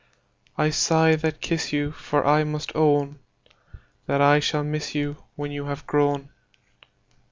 I sigh that kiss you, For I must own That I shall miss you When you have grown.